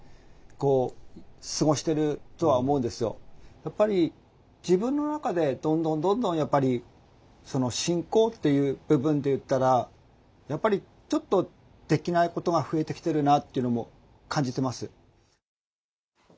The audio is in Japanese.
やっぱり自分の中でどんどんどんどんその進行っていう部分で言ったらやっぱりちょっとできないことが増えてきてるなっていうのも感じてます。